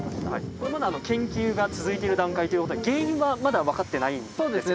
これまだ研究が続いている段階ということで、原因はまだそうですね。